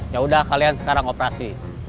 yaudah kalian sekarang operasi